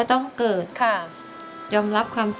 ทั้งในเรื่องของการทำงานเคยทำนานแล้วเกิดปัญหาน้อย